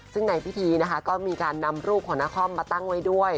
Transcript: ซึ่งในพิธีนะคะก็มีการนำรูปของนครมาตั้งไว้ด้วย